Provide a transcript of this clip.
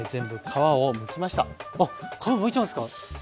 あっ皮むいちゃうんですか？